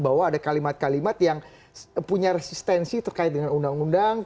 bahwa ada kalimat kalimat yang punya resistensi terkait dengan undang undang